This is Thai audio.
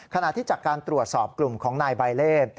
ขณะที่จากการตรวจสอบกลุ่มของนายใบเล่